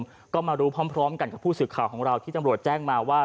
ทุกคนคนเดียวจะรู้พร้อมกับผู้สื่อก่อนของเราที่จังหวัดแจ้งมาว่า